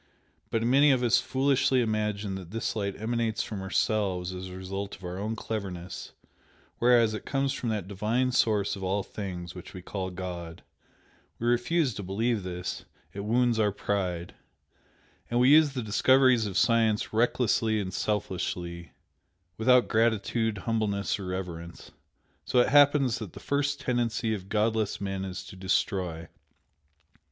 But many of us foolishly imagine that this light emanates from ourselves as a result of our own cleverness, whereas it comes from that Divine Source of all things, which we call God. We refuse to believe this, it wounds our pride. And we use the discoveries of science recklessly and selfishly without gratitude, humbleness or reverence. So it happens that the first tendency of godless men is to destroy.